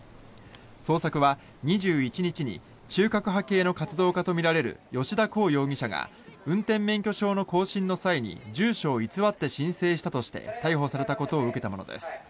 捜索は２１日に中核派系の活動家とみられる吉田耕容疑者が運転免許証の更新の際に住所を偽って申請したとして逮捕されたことを受けたものです。